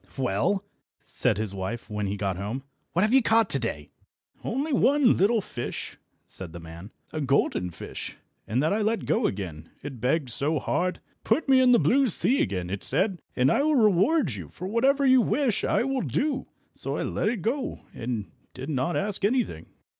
"Well," said his wife, when he got home, "what have you caught to day?" "Only one little fish," said the man, "a golden fish, and that I let go again, it begged so hard. 'Put me in the blue sea again,' it said, 'and I will reward you, for whatever you wish I will do.' So I let it go, and did not ask anything."